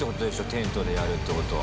テントでやるってことは。